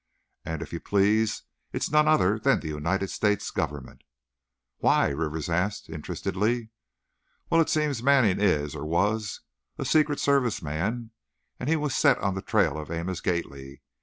And, if you please, it's none other than the United States Government!" "Why?" Rivers asked, interestedly. "Well, it seems Manning is, or was, a Secret Service man and he was set on the trail of Amos Gately.